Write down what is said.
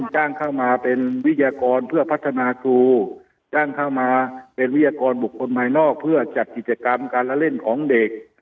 จ้างเข้ามาเป็นวิทยากรเพื่อพัฒนาครูจ้างเข้ามาเป็นวิทยากรบุคคลภายนอกเพื่อจัดกิจกรรมการละเล่นของเด็ก